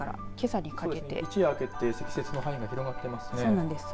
一夜明けて積雪の範囲が広がっていますね。